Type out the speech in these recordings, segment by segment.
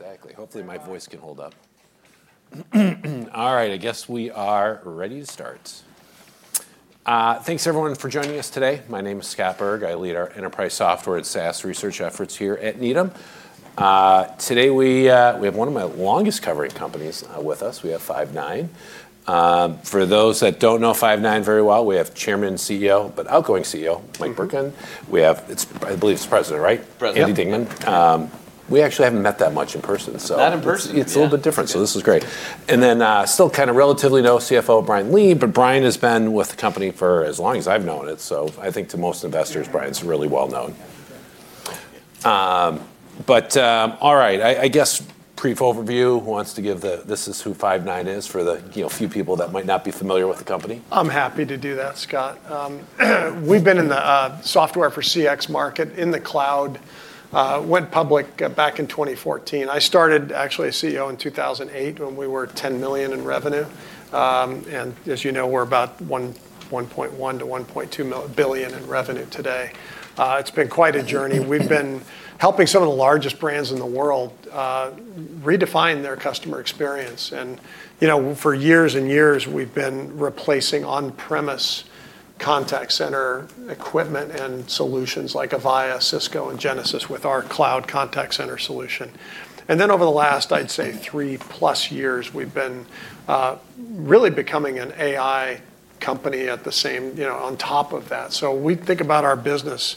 Yeah, exactly. Hopefully my voice can hold up. All right, I guess we are ready to start. Thanks, everyone, for joining us today. My name is Scott Berg. I lead our enterprise software and SaaS research efforts here at Needham. Today we have one of my longest covering companies with us. We have Five9. For those that don't know Five9 very well, we have Chairman and CEO, but outgoing CEO, Mike Burkland. We have, I believe it's the President, right? President. Andy Dignan. We actually haven't met that much in person, so. Not in person, yeah. It's a little bit different, so this is great. And then still kind of relatively new CFO, Bryan Lee. But Bryan has been with the company for as long as I've known it, so I think to most investors, Bryan's really well known. But all right, I guess brief overview. Who wants to give the, this is who Five9 is for the few people that might not be familiar with the company? I'm happy to do that, Scott. We've been in the software for CX market in the cloud, went public back in 2014. I started actually as CEO in 2008 when we were $10 million in revenue. And as you know, we're about $1.1-$1.2 billion in revenue today. It's been quite a journey. We've been helping some of the largest brands in the world redefine their customer experience. And for years and years, we've been replacing on-premise contact center equipment and solutions like Avaya, Cisco, and Genesys with our cloud contact center solution. And then over the last, I'd say, three plus years, we've been really becoming an AI company on top of that. So we think about our business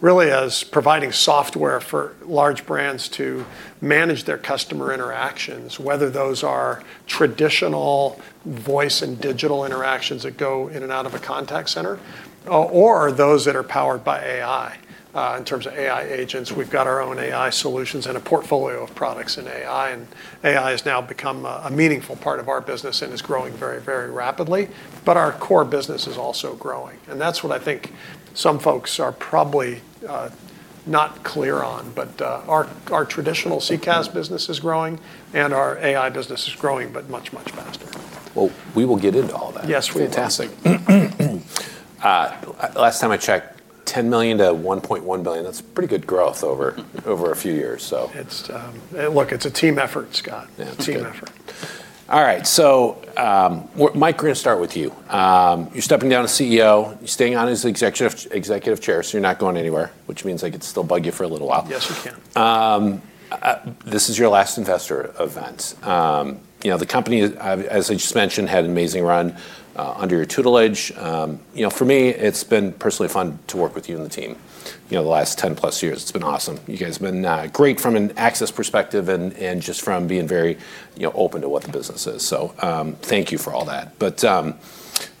really as providing software for large brands to manage their customer interactions, whether those are traditional voice and digital interactions that go in and out of a contact center, or those that are powered by AI in terms of AI agents. We've got our own AI solutions and a portfolio of products in AI. And AI has now become a meaningful part of our business and is growing very, very rapidly. But our core business is also growing. And that's what I think some folks are probably not clear on. But our traditional CCaaS business is growing, and our AI business is growing, but much, much faster. We will get into all that. Yes, we will. Fantastic. Last time I checked, $10 million-$1.1 billion. That's pretty good growth over a few years, so. Look, it's a team effort, Scott. Team effort. All right, so Mike, we're going to start with you. You're stepping down as CEO. You're staying on as Executive Chair, so you're not going anywhere, which means I could still bug you for a little while. Yes, you can. This is your last investor event. The company, as I just mentioned, had an amazing run under your tutelage. For me, it's been personally fun to work with you and the team the last 10 plus years. It's been awesome. You guys have been great from an access perspective and just from being very open to what the business is. So thank you for all that. But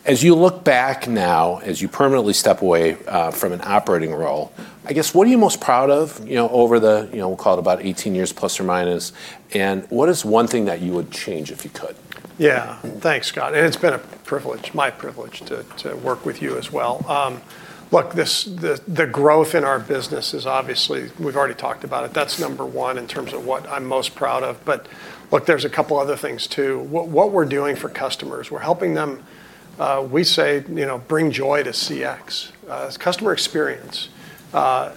as you look back now, as you permanently step away from an operating role, I guess what are you most proud of over the, we'll call it about 18 years plus or minus? And what is one thing that you would change if you could? Yeah, thanks, Scott. And it's been a privilege, my privilege to work with you as well. Look, the growth in our business is obviously, we've already talked about it. That's number one in terms of what I'm most proud of. But look, there's a couple other things too. What we're doing for customers, we're helping them, we say, bring joy to CX. Customer experience, in a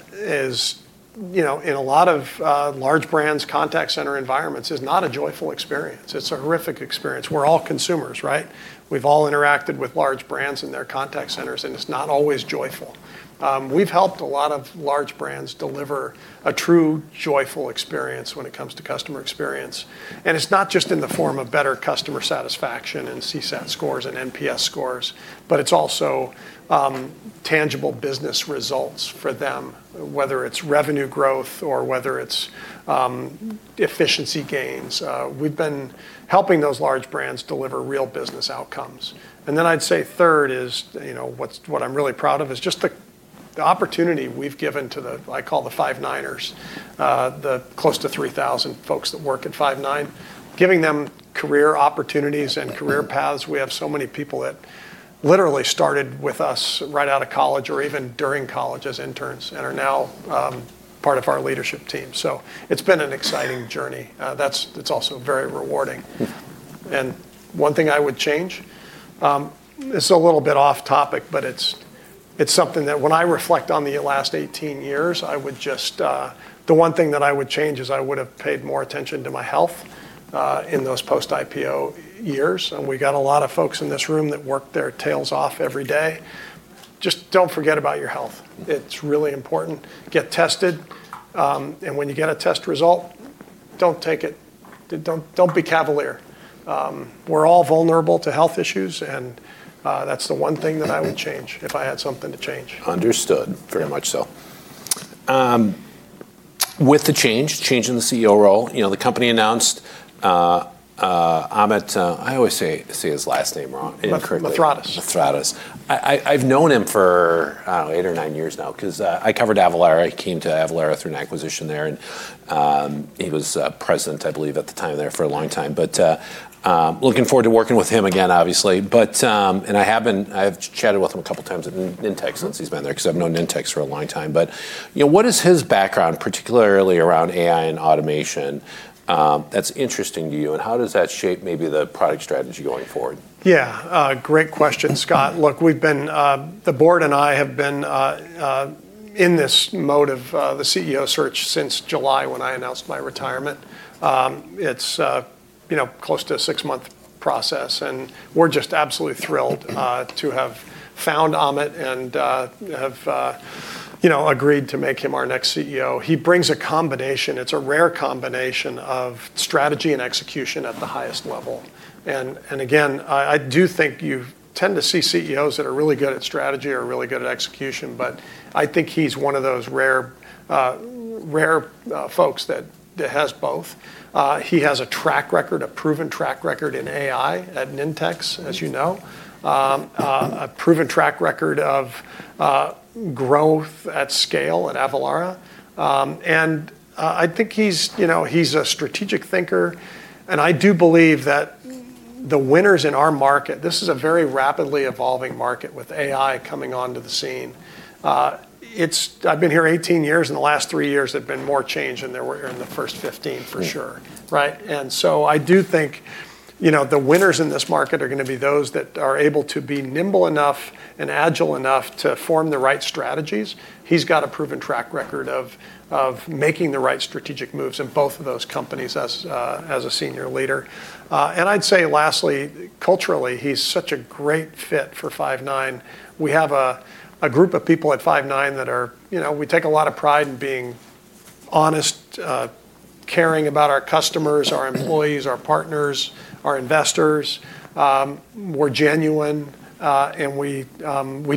lot of large brands' contact center environments, is not a joyful experience. It's a horrific experience. We're all consumers, right? We've all interacted with large brands and their contact centers, and it's not always joyful. We've helped a lot of large brands deliver a true joyful experience when it comes to customer experience. It's not just in the form of better customer satisfaction and CSAT scores and NPS scores, but it's also tangible business results for them, whether it's revenue growth or whether it's efficiency gains. We've been helping those large brands deliver real business outcomes. Then I'd say third is what I'm really proud of is just the opportunity we've given to the, I call the Five9ers, the close to 3,000 folks that work at Five9, giving them career opportunities and career paths. We have so many people that literally started with us right out of college or even during college as interns and are now part of our leadership team. It's been an exciting journey. That's also very rewarding. One thing I would change. It's a little bit off topic, but it's something that when I reflect on the last 18 years, I would just, the one thing that I would change is I would have paid more attention to my health in those post-IPO years. And we got a lot of folks in this room that work their tails off every day. Just don't forget about your health. It's really important. Get tested. And when you get a test result, don't take it, don't be cavalier. We're all vulnerable to health issues, and that's the one thing that I would change if I had something to change. Understood. Very much so. With the change in the CEO role, the company announced Amit. I always say his last name wrong. Let try this. Mathradas. I've known him for eight or nine years now because I covered Avalara. He came to Avalara through an acquisition there. And he was President, I believe, at the time there for a long time. But looking forward to working with him again, obviously. And I have chatted with him a couple of times at Nintex since he's been there because I've known Nintex for a long time. But what is his background, particularly around AI and automation, that's interesting to you? And how does that shape maybe the product strategy going forward? Yeah, great question, Scott. Look, we've been, the board and I have been in this mode of the CEO search since July when I announced my retirement. It's close to a six-month process. We're just absolutely thrilled to have found Amit and have agreed to make him our next CEO. He brings a combination, it's a rare combination of strategy and execution at the highest level. Again, I do think you tend to see CEOs that are really good at strategy or really good at execution, but I think he's one of those rare folks that has both. He has a track record, a proven track record in AI at Nintex, as you know, a proven track record of growth at scale at Avalara. I think he's a strategic thinker. And I do believe that the winners in our market. This is a very rapidly evolving market with AI coming onto the scene. I've been here 18 years. In the last three years, there have been more changes than there were in the first 15 for sure. And so I do think the winners in this market are going to be those that are able to be nimble enough and agile enough to form the right strategies. He's got a proven track record of making the right strategic moves in both of those companies as a senior leader. And I'd say lastly, culturally, he's such a great fit for Five9. We have a group of people at Five9 that are. We take a lot of pride in being honest, caring about our customers, our employees, our partners, our investors. We're genuine, and we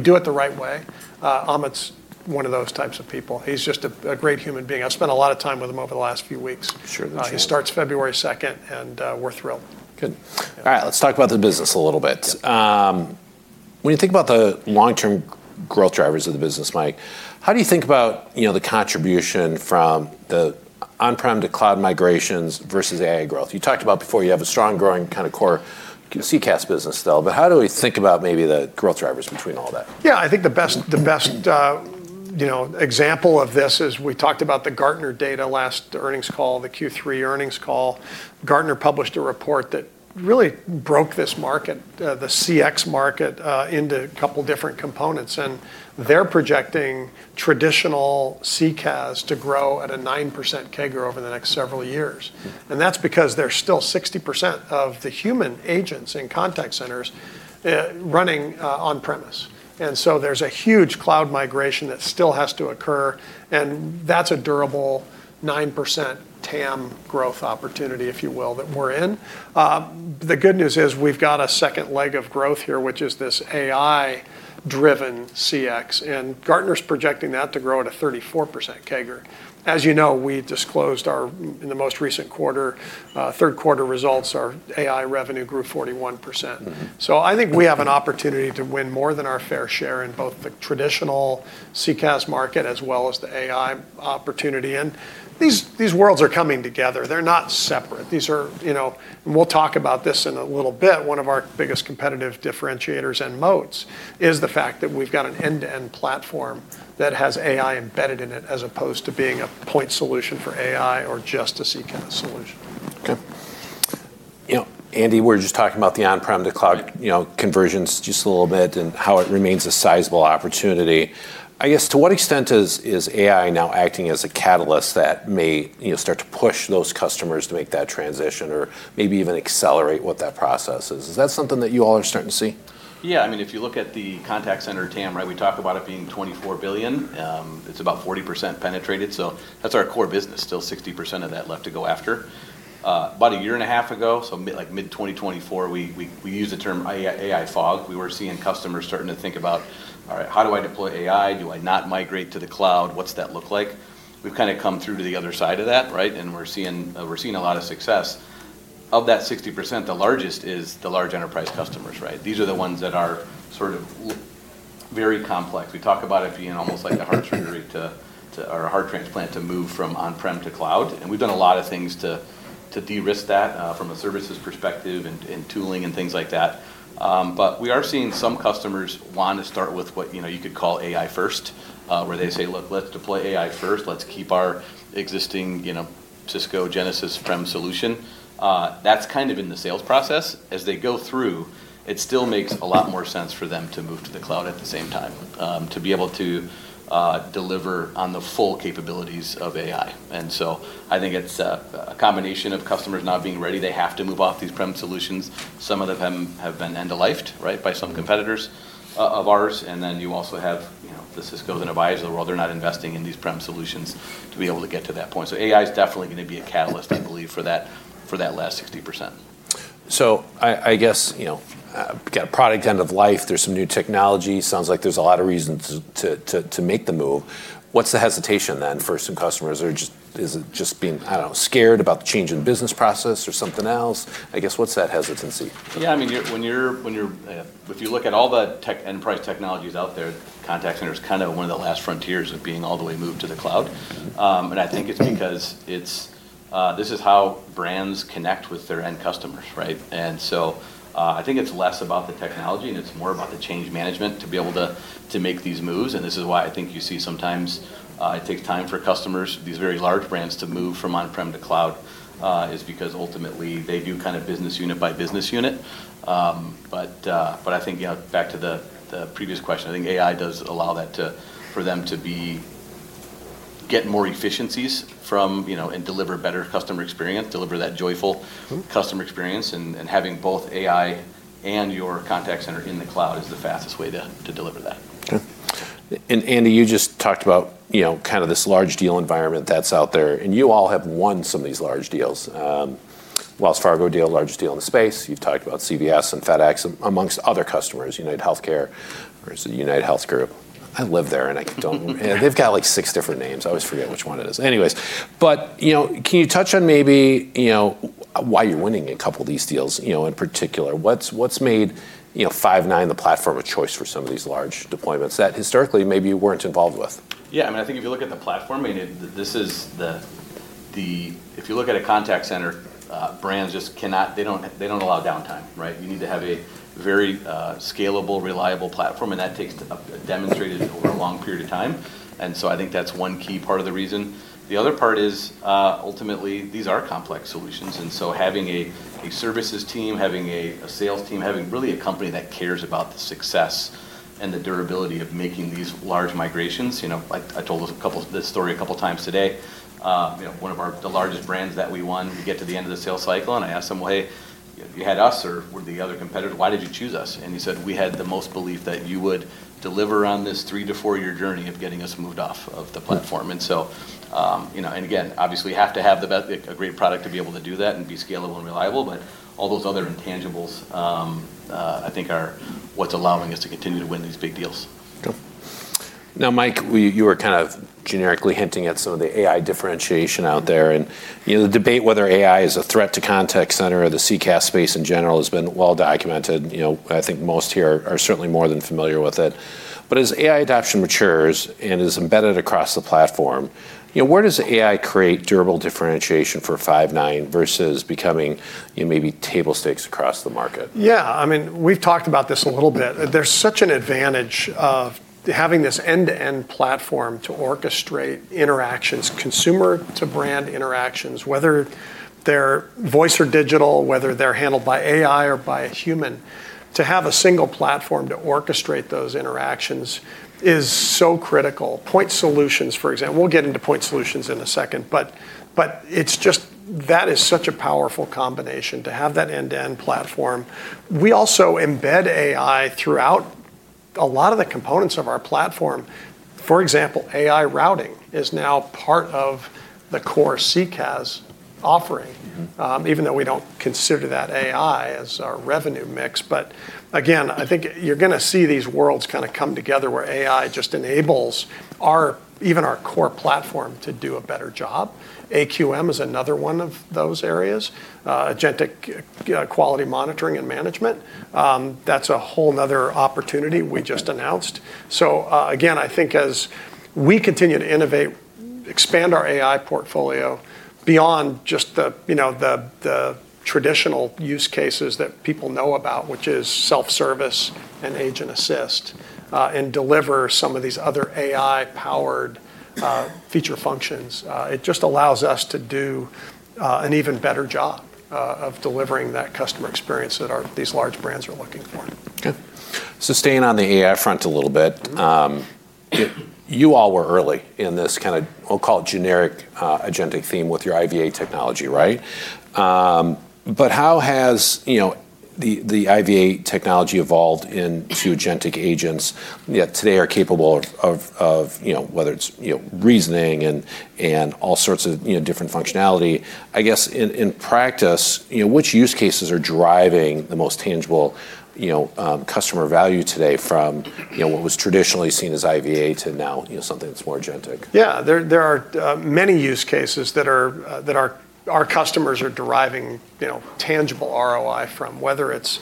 do it the right way. Amit's one of those types of people. He's just a great human being. I've spent a lot of time with him over the last few weeks. He starts February 2nd, and we're thrilled. Good. All right, let's talk about the business a little bit. When you think about the long-term growth drivers of the business, Mike, how do you think about the contribution from the on-prem to cloud migrations versus AI growth? You talked about before you have a strong growing kind of core CCaaS business still, but how do we think about maybe the growth drivers between all that? Yeah, I think the best example of this is we talked about the Gartner data last earnings call, the Q3 earnings call. Gartner published a report that really broke this market, the CX market, into a couple of different components. And they're projecting traditional CCaaS to grow at a 9% CAGR over the next several years. And that's because there's still 60% of the human agents in contact centers running on-premise. And so there's a huge cloud migration that still has to occur. And that's a durable 9% TAM growth opportunity, if you will, that we're in. The good news is we've got a second leg of growth here, which is this AI-driven CX. And Gartner's projecting that to grow at a 34% CAGR. As you know, we disclosed our, in the most recent quarter, third quarter results, our AI revenue grew 41%. So I think we have an opportunity to win more than our fair share in both the traditional CCaaS market as well as the AI opportunity. And these worlds are coming together. They're not separate. And we'll talk about this in a little bit. One of our biggest competitive differentiators and moats is the fact that we've got an end-to-end platform that has AI embedded in it as opposed to being a point solution for AI or just a CCaaS solution. Okay. Andy, we were just talking about the on-prem to cloud conversions just a little bit and how it remains a sizable opportunity. I guess to what extent is AI now acting as a catalyst that may start to push those customers to make that transition or maybe even accelerate what that process is? Is that something that you all are starting to see? Yeah, I mean, if you look at the contact center TAM, right, we talked about it being $24 billion. It's about 40% penetrated. So that's our core business, still 60% of that left to go after. About a year and a half ago, so like mid-2024, we used the term AI fog. We were seeing customers starting to think about, all right, how do I deploy AI? Do I not migrate to the cloud? What's that look like? We've kind of come through to the other side of that, right? And we're seeing a lot of success. Of that 60%, the largest is the large enterprise customers, right? These are the ones that are sort of very complex. We talk about it being almost like a heart surgery or a heart transplant to move from on-prem to cloud. And we've done a lot of things to de-risk that from a services perspective and tooling and things like that. But we are seeing some customers want to start with what you could call AI first, where they say, look, let's deploy AI first. Let's keep our existing Cisco Genesys on-prem solution. That's kind of in the sales process. As they go through, it still makes a lot more sense for them to move to the cloud at the same time to be able to deliver on the full capabilities of AI. And so I think it's a combination of customers not being ready. They have to move off these on-prem solutions. Some of them have been end-of-lifed, right, by some competitors of ours. And then you also have the Cisco's and Avaya's of the world. They're not investing in these on-prem solutions to be able to get to that point. So AI is definitely going to be a catalyst, I believe, for that last 60%. So I guess we've got a product end-of-life. There's some new technology. Sounds like there's a lot of reasons to make the move. What's the hesitation then for some customers? Or is it just being, I don't know, scared about the change in business process or something else? I guess what's that hesitancy? Yeah, I mean, if you look at all the tech enterprise technologies out there, contact center is kind of one of the last frontiers of being all the way moved to the cloud. And I think it's because this is how brands connect with their end customers, right? And so I think it's less about the technology, and it's more about the change management to be able to make these moves. And this is why I think you see sometimes it takes time for customers, these very large brands, to move from on-prem to cloud is because ultimately they do kind of business unit by business unit. But I think back to the previous question, I think AI does allow that for them to get more efficiencies and deliver a better customer experience, deliver that joyful customer experience. Having both AI and your contact center in the cloud is the fastest way to deliver that. Okay. And Andy, you just talked about kind of this large deal environment that's out there. And you all have won some of these large deals, Wells Fargo deal, largest deal in the space. You've talked about CVS and FedEx amongst other customers, UnitedHealthcare versus UnitedHealth Group. I live there, and they've got like six different names. I always forget which one it is. Anyways, but can you touch on maybe why you're winning a couple of these deals in particular? What's made Five9 the platform of choice for some of these large deployments that historically maybe you weren't involved with? Yeah, I mean, I think if you look at the platform, I mean, this is the, if you look at a contact center, brands just cannot, they don't allow downtime, right? You need to have a very scalable, reliable platform, and that takes demonstrated over a long period of time. And so I think that's one key part of the reason. The other part is ultimately these are complex solutions. And so having a services team, having a sales team, having really a company that cares about the success and the durability of making these large migrations, like I told this story a couple of times today, one of the largest brands that we won, we get to the end of the sales cycle and I asked them, well, hey, you had us or were the other competitor, why did you choose us? And you said, we had the most belief that you would deliver on this three- to four-year journey of getting us moved off of the platform. And so, and again, obviously you have to have a great product to be able to do that and be scalable and reliable. But all those other intangibles I think are what's allowing us to continue to win these big deals. Okay. Now, Mike, you were kind of generically hinting at some of the AI differentiation out there. And the debate whether AI is a threat to contact center or the CCaaS space in general has been well documented. I think most here are certainly more than familiar with it. But as AI adoption matures and is embedded across the platform, where does AI create durable differentiation for Five9 versus becoming maybe table stakes across the market? Yeah, I mean, we've talked about this a little bit. There's such an advantage of having this end-to-end platform to orchestrate interactions, consumer-to-brand interactions, whether they're voice or digital, whether they're handled by AI or by a human. To have a single platform to orchestrate those interactions is so critical. Point solutions, for example, we'll get into point solutions in a second, but that is such a powerful combination to have that end-to-end platform. We also embed AI throughout a lot of the components of our platform. For example, AI routing is now part of the core CCaaS offering, even though we don't consider that AI as our revenue mix. But again, I think you're going to see these worlds kind of come together where AI just enables even our core platform to do a better job. AQM is another one of those areas, Agentic Quality Monitoring and Management. That's a whole nother opportunity we just announced. So again, I think as we continue to innovate, expand our AI portfolio beyond just the traditional use cases that people know about, which is self-service and agent assist and deliver some of these other AI-powered feature functions. It just allows us to do an even better job of delivering that customer experience that these large brands are looking for. Okay. So staying on the AI front a little bit, you all were early in this kind of, we'll call it generic agentic theme with your IVA technology, right? But how has the IVA technology evolved into agentic agents that today are capable of whether it's reasoning and all sorts of different functionality? I guess in practice, which use cases are driving the most tangible customer value today from what was traditionally seen as IVA to now something that's more agentic? Yeah, there are many use cases that our customers are deriving tangible ROI from, whether it's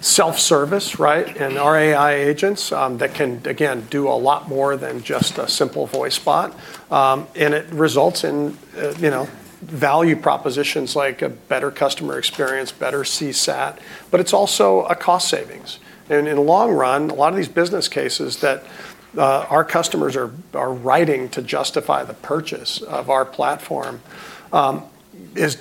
self-service, right, and our AI agents that can, again, do a lot more than just a simple voice bot. And it results in value propositions like a better customer experience, better CSAT, but it's also a cost savings. And in the long run, a lot of these business cases that our customers are writing to justify the purchase of our platform is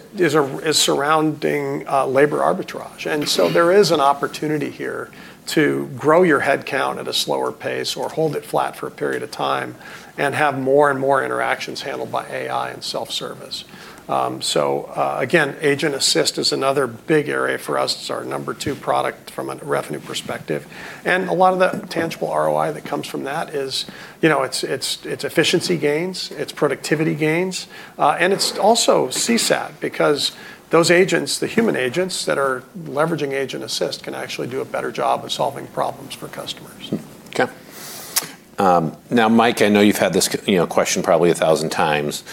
surrounding labor arbitrage. And so there is an opportunity here to grow your headcount at a slower pace or hold it flat for a period of time and have more and more interactions handled by AI and self-service. So again, agent assist is another big area for us. It's our number two product from a revenue perspective. A lot of the tangible ROI that comes from that is it's efficiency gains, it's productivity gains, and it's also CSAT because those agents, the human agents that are leveraging Agent Assist can actually do a better job of solving problems for customers. Okay. Now, Mike, I know you've had this question probably a thousand times,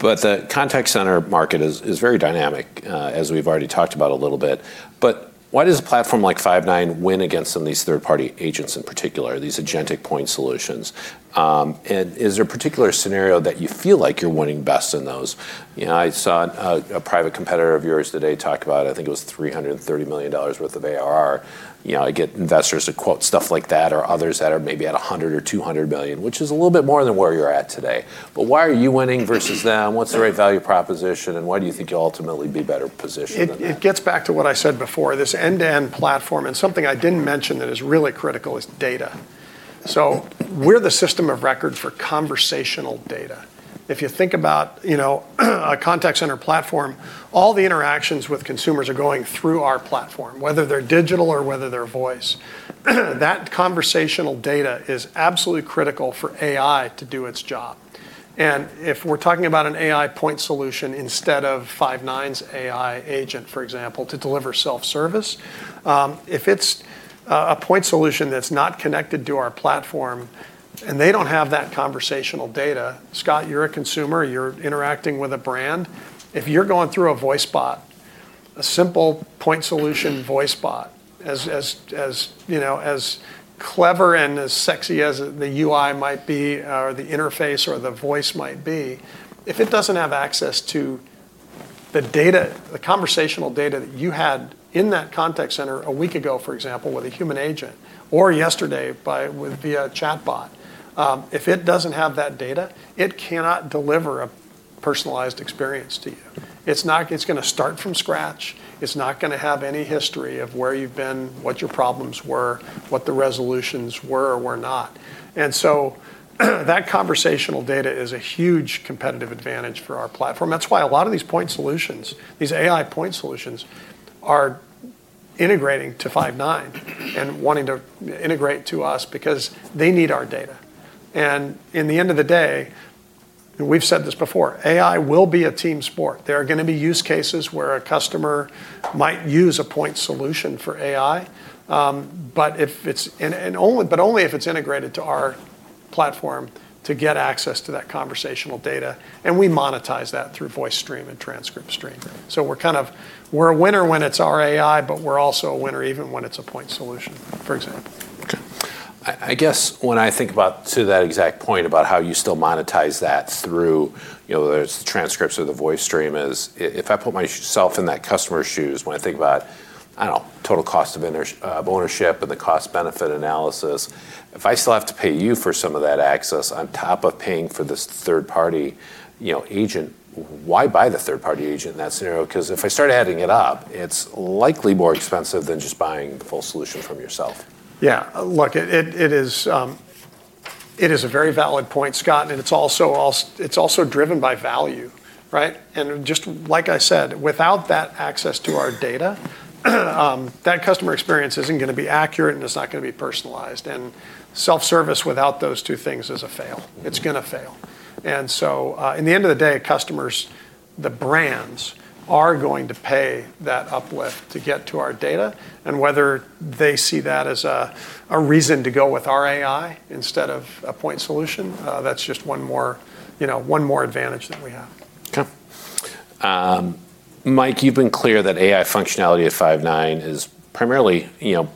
but the contact center market is very dynamic, as we've already talked about a little bit. But why does a platform like Five9 win against these third-party agents in particular, these agentic point solutions? And is there a particular scenario that you feel like you're winning best in those? I saw a private competitor of yours today talk about, I think it was $330 million worth of ARR. I get investors that quote stuff like that or others that are maybe at $100 million or $200 million, which is a little bit more than where you're at today. But why are you winning versus them? What's the right value proposition? And why do you think you'll ultimately be better positioned? It gets back to what I said before, this end-to-end platform. And something I didn't mention that is really critical is data. So we're the system of record for conversational data. If you think about a contact center platform, all the interactions with consumers are going through our platform, whether they're digital or whether they're voice. That conversational data is absolutely critical for AI to do its job. And if we're talking about an AI point solution instead of Five9's AI agent, for example, to deliver self-service, if it's a point solution that's not connected to our platform and they don't have that conversational data, Scott, you're a consumer, you're interacting with a brand. If you're going through a voice bot, a simple point solution voice bot, as clever and as sexy as the UI might be or the interface or the voice might be, if it doesn't have access to the conversational data that you had in that contact center a week ago, for example, with a human agent or yesterday via a chatbot, if it doesn't have that data, it cannot deliver a personalized experience to you. It's going to start from scratch. It's not going to have any history of where you've been, what your problems were, what the resolutions were or were not, and so that conversational data is a huge competitive advantage for our platform. That's why a lot of these point solutions, these AI point solutions, are integrating to Five9 and wanting to integrate to us because they need our data. And in the end of the day, we've said this before. AI will be a team sport. There are going to be use cases where a customer might use a point solution for AI, but only if it's integrated to our platform to get access to that conversational data. And we monetize that through VoiceStream and TranscriptStream. So we're kind of, we're a winner when it's our AI, but we're also a winner even when it's a point solution, for example. Okay. I guess when I think about to that exact point about how you still monetize that through whether it's the transcripts or the voice stream, is if I put myself in that customer's shoes, when I think about, I don't know, total cost of ownership and the cost-benefit analysis, if I still have to pay you for some of that access on top of paying for this third-party agent, why buy the third-party agent in that scenario? Because if I start adding it up, it's likely more expensive than just buying the full solution from yourself. Yeah. Look, it is a very valid point, Scott, and it's also driven by value, right? And just like I said, without that access to our data, that customer experience isn't going to be accurate and it's not going to be personalized. And self-service without those two things is a fail. It's going to fail. And so in the end of the day, customers, the brands are going to pay that uplift to get to our data. And whether they see that as a reason to go with our AI instead of a point solution, that's just one more advantage that we have. Okay. Mike, you've been clear that AI functionality at Five9 is primarily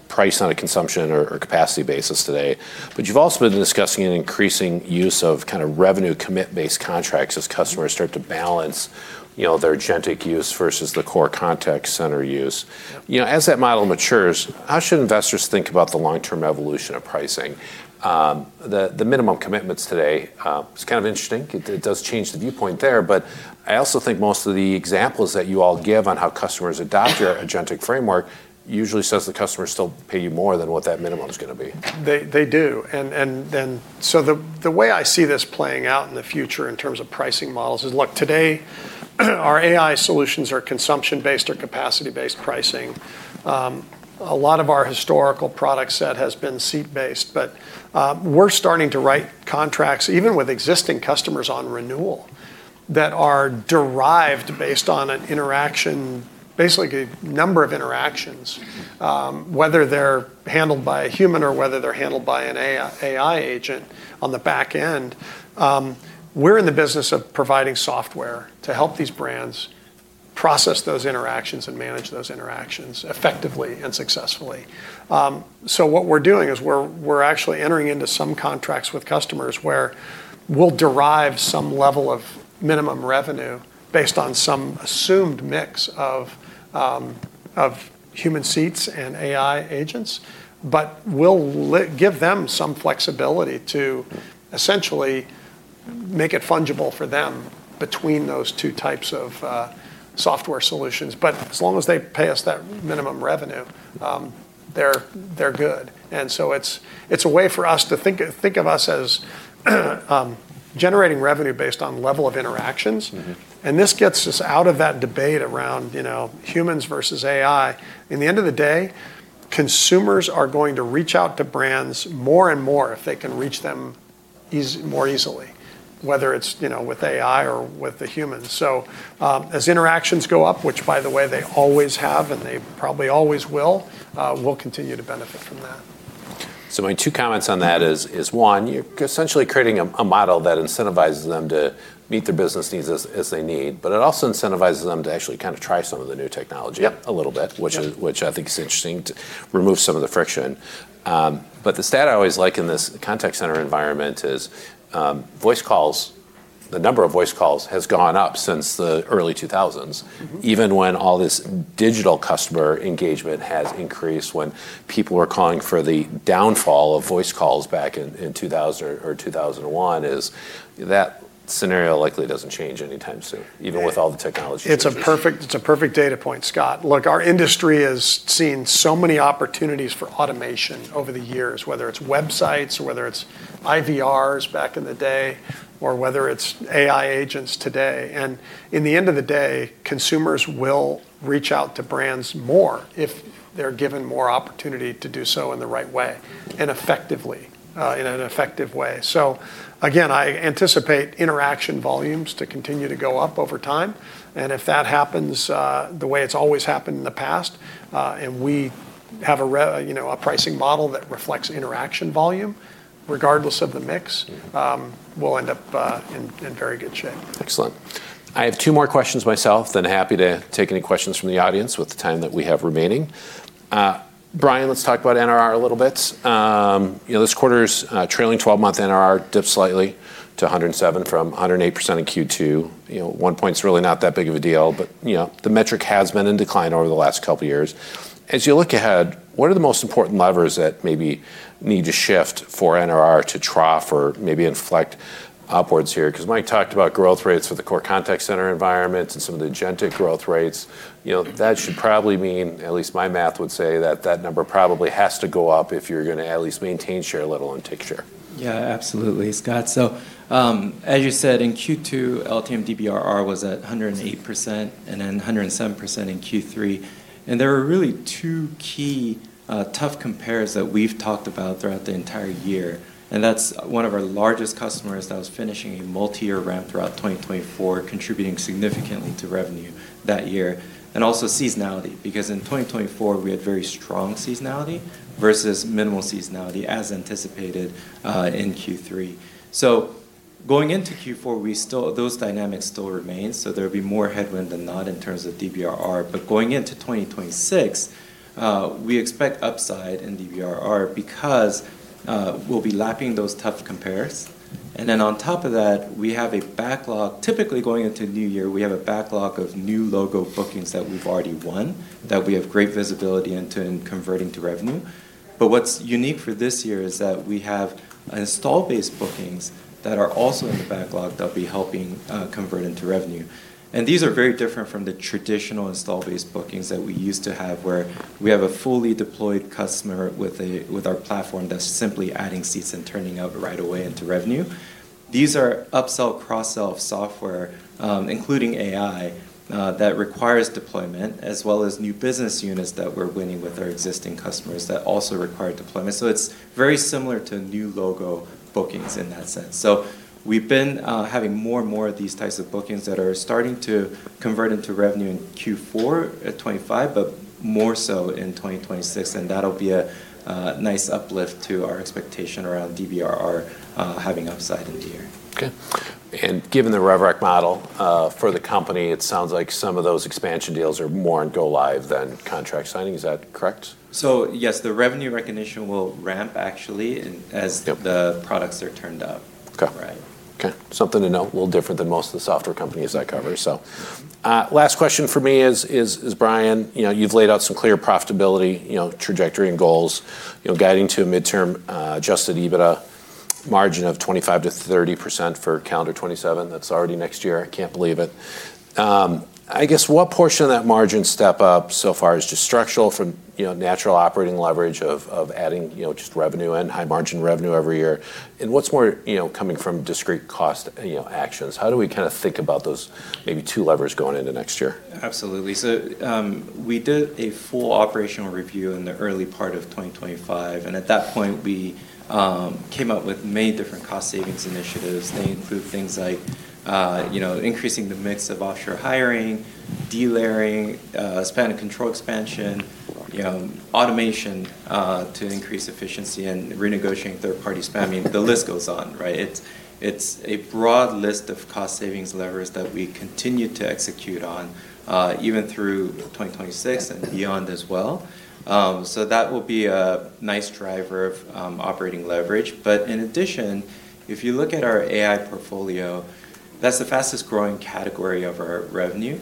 priced on a consumption or capacity basis today. But you've also been discussing an increasing use of kind of revenue commit-based contracts as customers start to balance their agentic use versus the core contact center use. As that model matures, how should investors think about the long-term evolution of pricing? The minimum commitments today, it's kind of interesting. It does change the viewpoint there, but I also think most of the examples that you all give on how customers adopt your agentic framework usually says the customers still pay you more than what that minimum is going to be. They do, and so the way I see this playing out in the future in terms of pricing models is, look, today our AI solutions are consumption-based or capacity-based pricing. A lot of our historical product set has been seat-based, but we're starting to write contracts even with existing customers on renewal that are derived based on an interaction, basically a number of interactions, whether they're handled by a human or whether they're handled by an AI agent on the back end. We're in the business of providing software to help these brands process those interactions and manage those interactions effectively and successfully. So what we're doing is we're actually entering into some contracts with customers where we'll derive some level of minimum revenue based on some assumed mix of human seats and AI agents, but we'll give them some flexibility to essentially make it fungible for them between those two types of software solutions. But as long as they pay us that minimum revenue, they're good. And so it's a way for us to think of us as generating revenue based on level of interactions. And this gets us out of that debate around humans versus AI. At the end of the day, consumers are going to reach out to brands more and more if they can reach them more easily, whether it's with AI or with the humans. So as interactions go up, which by the way, they always have and they probably always will, we'll continue to benefit from that. My two comments on that are, one, you're essentially creating a model that incentivizes them to meet their business needs as they need, but it also incentivizes them to actually kind of try some of the new technology a little bit, which I think is interesting to remove some of the friction. But the stat I always like in this contact center environment is voice calls; the number of voice calls has gone up since the early 2000s. Even when all this digital customer engagement has increased, when people were calling for the downfall of voice calls back in 2000 or 2001, that scenario likely doesn't change anytime soon, even with all the technology. It's a perfect data point, Scott. Look, our industry has seen so many opportunities for automation over the years, whether it's websites or whether it's IVRs back in the day or whether it's AI agents today, and at the end of the day, consumers will reach out to brands more if they're given more opportunity to do so in the right way and effectively in an effective way, so again, I anticipate interaction volumes to continue to go up over time, and if that happens the way it's always happened in the past and we have a pricing model that reflects interaction volume regardless of the mix, we'll end up in very good shape. Excellent. I have two more questions myself, then happy to take any questions from the audience with the time that we have remaining. Bryan, let's talk about NRR a little bit. This quarter's trailing 12-month NRR dipped slightly to 107% from 108% in Q2. One point's really not that big of a deal, but the metric has been in decline over the last couple of years. As you look ahead, what are the most important levers that maybe need to shift for NRR to trough or maybe inflect upwards here? Because Mike talked about growth rates for the core contact center environments and some of the agentic growth rates. That should probably mean, at least my math would say that that number probably has to go up if you're going to at least maintain share a little and take share. Yeah, absolutely, Scott. So as you said, in Q2, LTM DBRR was at 108% and then 107% in Q3, and there are really two key tough compares that we've talked about throughout the entire year, and that's one of our largest customers that was finishing a multi-year ramp throughout 2024, contributing significantly to revenue that year, and also seasonality because in 2024, we had very strong seasonality versus minimal seasonality as anticipated in Q3. So going into Q4, those dynamics still remain, so there will be more headwind than not in terms of DBRR. But going into 2026, we expect upside in DBRR because we'll be lapping those tough compares, and then on top of that, we have a backlog. Typically going into New Year, we have a backlog of new logo bookings that we've already won that we have great visibility into and converting to revenue. But what's unique for this year is that we have install-based bookings that are also in the backlog that will be helping convert into revenue. And these are very different from the traditional install-based bookings that we used to have where we have a fully deployed customer with our platform that's simply adding seats and turning out right away into revenue. These are upsell, cross-sell software, including AI that requires deployment as well as new business units that we're winning with our existing customers that also require deployment. So it's very similar to new logo bookings in that sense. So we've been having more and more of these types of bookings that are starting to convert into revenue in Q4 2025, but more so in 2026. And that'll be a nice uplift to our expectation around DBRR having upside in the year. Okay. And given the land-and-expand model for the company, it sounds like some of those expansion deals are more in go-live than contract signing. Is that correct? Yes, the revenue recognition will ramp actually as the products are turned up. Okay. Okay. Something to note, a little different than most of the software companies I cover. So last question for me is, Bryan, you've laid out some clear profitability trajectory and goals guiding to a midterm adjusted EBITDA margin of 25%-30% for calendar 2027. That's already next year. I can't believe it. I guess what portion of that margin step up so far is just structural from natural operating leverage of adding just revenue and high margin revenue every year? And what's more coming from discrete cost actions? How do we kind of think about those maybe two levers going into next year? Absolutely. So we did a full operational review in the early part of 2025. And at that point, we came up with many different cost savings initiatives. They include things like increasing the mix of offshore hiring, delayering, spend control expansion, automation to increase efficiency, and renegotiating third-party spend. I mean, the list goes on, right? It's a broad list of cost savings levers that we continue to execute on even through 2026 and beyond as well. So that will be a nice driver of operating leverage. But in addition, if you look at our AI portfolio, that's the fastest growing category of our revenue.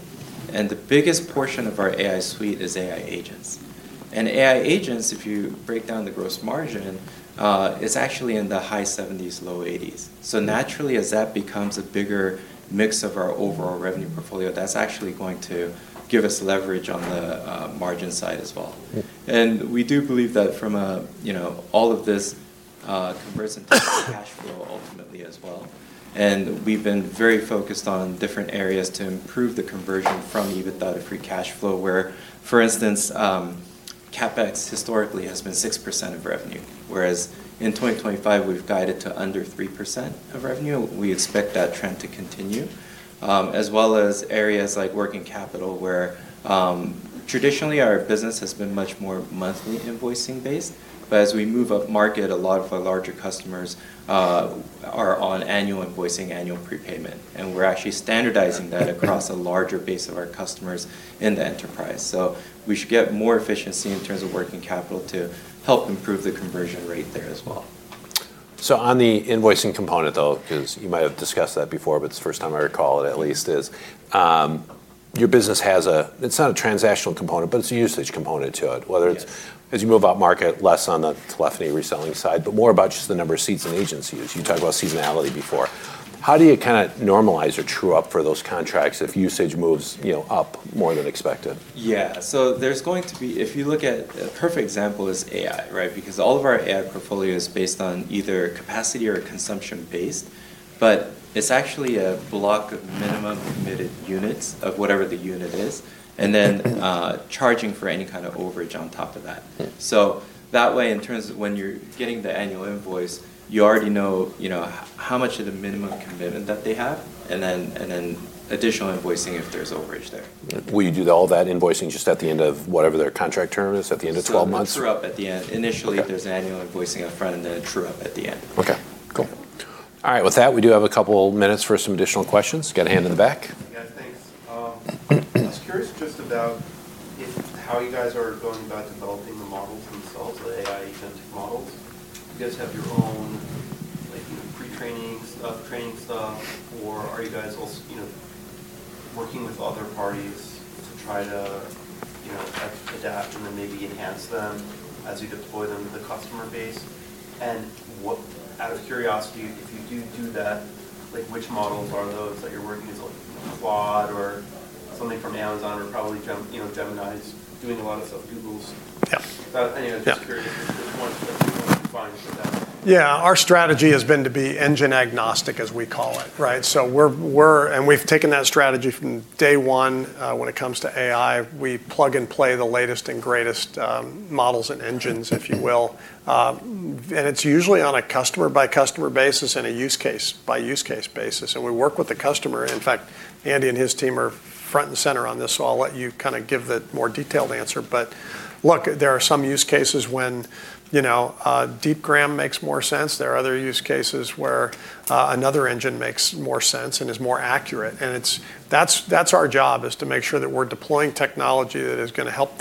And the biggest portion of our AI suite is AI agents. And AI agents, if you break down the gross margin, it's actually in the high 70s%, low 80s%. So naturally, as that becomes a bigger mix of our overall revenue portfolio, that's actually going to give us leverage on the margin side as well. And we do believe that from all of this conversion to cash flow ultimately as well. And we've been very focused on different areas to improve the conversion from EBITDA to free cash flow where, for instance, CapEx historically has been 6% of revenue, whereas in 2025, we've guided to under 3% of revenue. We expect that trend to continue, as well as areas like working capital where traditionally our business has been much more monthly invoicing based. But as we move upmarket, a lot of our larger customers are on annual invoicing, annual prepayment. And we're actually standardizing that across a larger base of our customers in the enterprise. So we should get more efficiency in terms of working capital to help improve the conversion rate there as well. So, on the invoicing component though, because you might have discussed that before, but it's the first time I recall it at least, is your business has a. It's not a transactional component, but it's a usage component to it, whether it's as you move up market, less on the telephony reselling side, but more about just the number of seats and agents. You talked about seasonality before. How do you kind of normalize or true up for those contracts if usage moves up more than expected? Yeah. So there's going to be, if you look at a perfect example is AI, right? Because all of our AI portfolio is based on either capacity or consumption based, but it's actually a block of minimum committed units of whatever the unit is and then charging for any kind of overage on top of that. So that way, in terms of when you're getting the annual invoice, you already know how much of the minimum commitment that they have and then additional invoicing if there's overage there. Will you do all that invoicing just at the end of whatever their contract term is at the end of 12 months? So it's true up at the end. Initially, there's an annual invoicing upfront and then true up at the end. Okay. Cool. All right. With that, we do have a couple of minutes for some additional questions. Got a hand in the back. Yeah, thanks. I was curious just about how you guys are going about developing the models themselves, the AI agentic models. Do you guys have your own pre-training stuff, training stuff, or are you guys also working with other parties to try to adapt and then maybe enhance them as you deploy them to the customer base, and out of curiosity, if you do do that, which models are those that you're working? Is it Claude or something from Amazon or probably Gemini is doing a lot of stuff, Google's? Anyway, just curious if you want to define for them. Yeah. Our strategy has been to be engine agnostic, as we call it, right? So we're, and we've taken that strategy from day one when it comes to AI. We plug and play the latest and greatest models and engines, if you will. And it's usually on a customer-by-customer basis and a use-case-by-use-case basis. And we work with the customer. In fact, Andy and his team are front and center on this, so I'll let you kind of give the more detailed answer. But look, there are some use cases when Deepgram makes more sense. There are other use cases where another engine makes more sense and is more accurate. And that's our job is to make sure that we're deploying technology that is going to help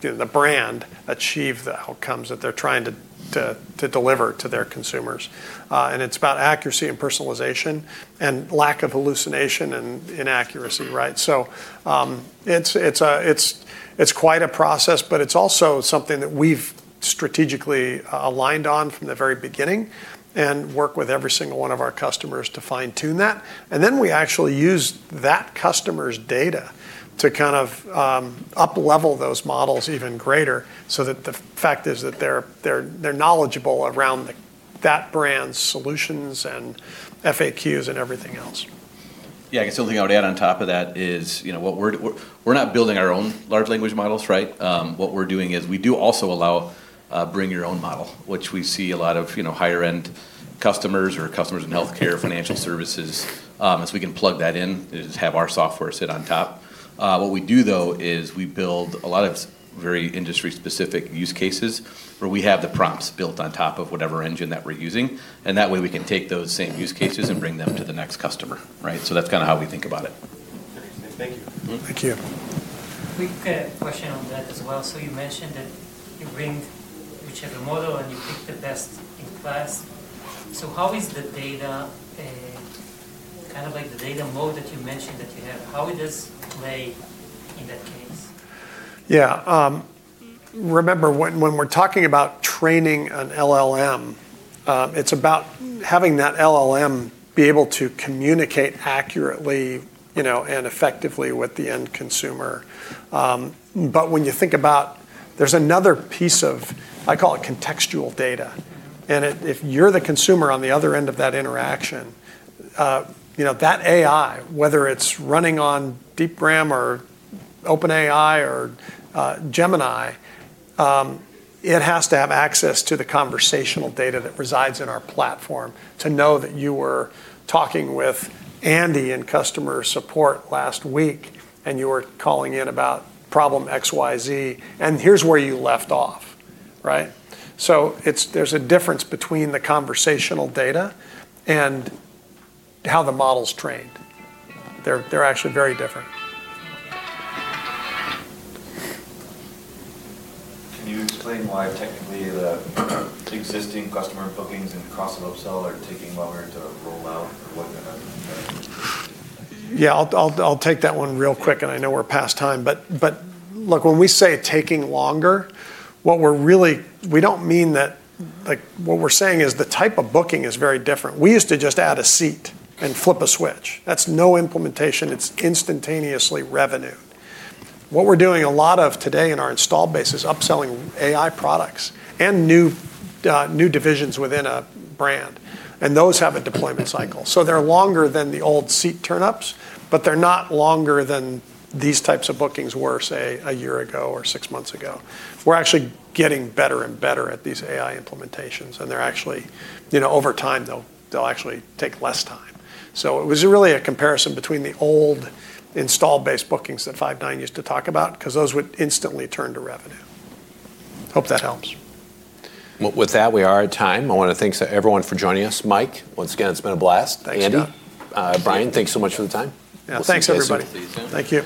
the brand achieve the outcomes that they're trying to deliver to their consumers. And it's about accuracy and personalization and lack of hallucination and inaccuracy, right? So it's quite a process, but it's also something that we've strategically aligned on from the very beginning and worked with every single one of our customers to fine-tune that. And then we actually use that customer's data to kind of uplevel those models even greater so that the fact is that they're knowledgeable around that brand's solutions and FAQs and everything else. Yeah. I guess the only thing I would add on top of that is we're not building our own large language models, right? What we're doing is we do also allow bring your own model, which we see a lot of higher-end customers or customers in healthcare, financial services, as we can plug that in and have our software sit on top. What we do though is we build a lot of very industry-specific use cases where we have the prompts built on top of whatever engine that we're using. And that way we can take those same use cases and bring them to the next customer, right? So that's kind of how we think about it. Thank you. Thank you. Quick question on that as well. So you mentioned that you bring each other model and you pick the best in class. So how is the data kind of like the data model that you mentioned that you have, how does it play in that case? Yeah. Remember when we're talking about training an LLM, it's about having that LLM be able to communicate accurately and effectively with the end consumer. But when you think about there's another piece of, I call it contextual data. And if you're the consumer on the other end of that interaction, that AI, whether it's running on Deepgram or OpenAI or Gemini, it has to have access to the conversational data that resides in our platform to know that you were talking with Andy in customer support last week and you were calling in about problem XYZ. And here's where you left off, right? So there's a difference between the conversational data and how the model's trained. They're actually very different. Can you explain why technically the existing customer bookings and cross-sell are taking longer to roll out or what? Yeah, I'll take that one real quick, and I know we're past time. But look, when we say taking longer, what we're really, we don't mean that. What we're saying is the type of booking is very different. We used to just add a seat and flip a switch. That's no implementation. It's instantaneously revenue. What we're doing a lot of today in our install base is upselling AI products and new divisions within a brand. And those have a deployment cycle. So they're longer than the old seat turnups, but they're not longer than these types of bookings were, say, a year ago or six months ago. We're actually getting better and better at these AI implementations. And they're actually, over time, they'll actually take less time. So it was really a comparison between the old install-based bookings that Five9 used to talk about because those would instantly turn to revenue. Hope that helps. With that, we are at time. I want to thank everyone for joining us. Mike, once again, it's been a blast. Andy. Thanks, Scott. Bryan, thanks so much for the time. Yeah, thanks, everybody. Thank you.